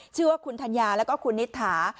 ชื่อว่าคุณธัญญาแล้วก็คุณนิษฐา